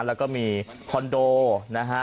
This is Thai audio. แล้วก็มีคอนโดนะฮะ